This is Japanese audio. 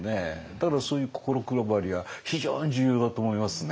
だからそういう心配りは非常に重要だと思いますね。